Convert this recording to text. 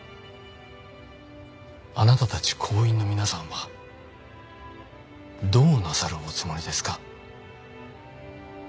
あなたたち行員の皆さんはどうなさるおつもりですか？